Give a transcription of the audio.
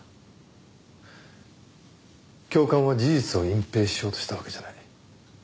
教官は事実を隠蔽しようとしたわけじゃない。